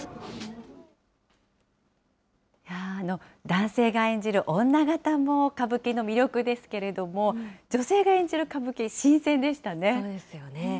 男性が演じる女形も歌舞伎の魅力ですけれども、女性が演じるそうですよね。